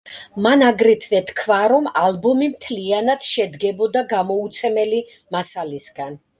მან აგრეთვე თქვა, რომ ალბომი მთლიანად შედგებოდა გამოუცემელი მასალისგან.